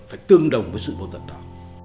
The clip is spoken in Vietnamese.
phải tương đồng với sự vô tận đó